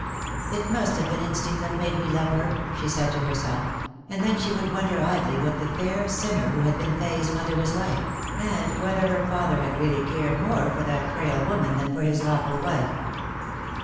" It must have been instinct that made me love her," she laid to herself ; and then she would wonder idly what the fair_ sinner who had been Fay's mother was like, and whether her' father had really cared more for that frail woman than for his lawful wife.